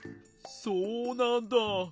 そうなんだ。